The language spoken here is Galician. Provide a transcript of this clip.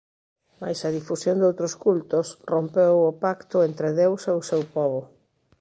Mais a difusión doutros cultos rompeu o pacto entre Deus e o seu pobo.